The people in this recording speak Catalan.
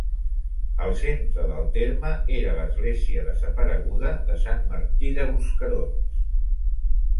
El centre del terme era l'església desapareguda de Sant Martí de Bosquerons.